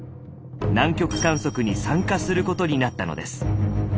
南極観測に参加することになったのです。